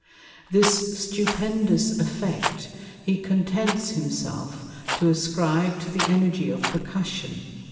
This stupendous Effect he contents himself to ascribe to the Energy of Percussion.